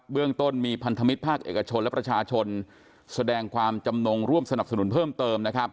เรื่องต้นมีพันธมิตรภาคเอกชนและประชาชนแสดงความจำนงร่วมสนับสนุนเพิ่มเติม